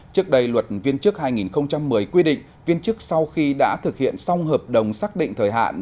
trước đây luật viên chức hai nghìn một mươi quy định viên chức sau khi đã thực hiện xong hợp đồng xác định thời hạn